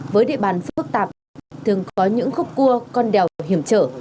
với địa bàn phức tạp thường có những khúc cua con đèo hiểm trở